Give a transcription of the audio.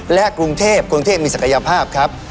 และกรุงเทพมีศักยภาพครับ